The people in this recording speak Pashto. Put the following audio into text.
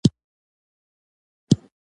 خو زما په کمزورۍ خو ته پوهېږې